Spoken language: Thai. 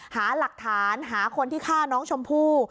หาหลักฐานหาคนที่ฆ่าน้องชมพู่